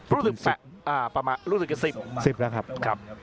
รู้สึกแปลกอ่าประมาณรู้สึกกี่สิบสิบแล้วครับครับ